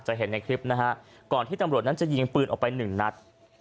เห็นในคลิปนะฮะก่อนที่ตำรวจนั้นจะยิงปืนออกไปหนึ่งนัด